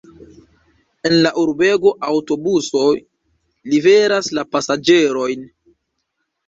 En la urbego aŭtobusoj liveras la pasaĝerojn.